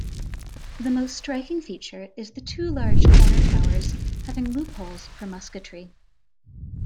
The most striking feature is the two large corner towers having loopholes for musketry.